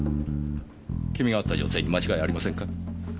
君が会った女性に間違いありませんか？